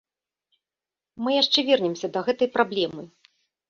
Мы яшчэ вернемся да гэтай праблемы.